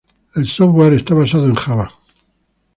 El software está basado en Java.